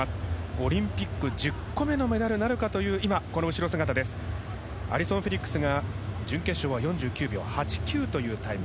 オリンピック１０個目のメダルなるかというアリソン・フェリックスは準決勝は４９秒８９というタイム。